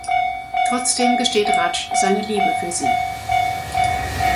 Trotzdem gesteht Raj seine Liebe für sie.